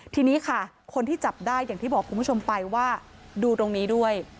ทีนี้ค่ะคนที่จับได้อย่างที่บอกคุณผู้ชมไปว่าดูตรงนี้ด้วย